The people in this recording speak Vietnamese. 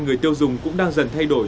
người tiêu dùng cũng đang dần thay đổi